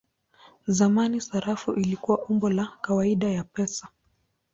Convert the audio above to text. Zamani sarafu ilikuwa umbo la kawaida ya pesa.